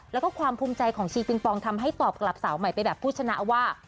แล้วก็ความภูมิใจของชีปิงปองทำให้ตอบกลับสาวใหม่ไปแบบผู้ชนะว่า